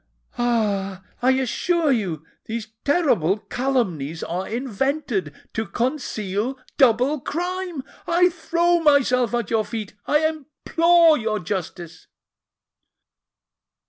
Ah! I assure you these terrible calumnies are invented to conceal double crime! I throw myself at your feet,—I implore your justice!"